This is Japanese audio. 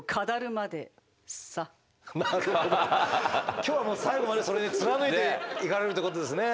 今日はもう最後までそれで貫いていかれるということですね。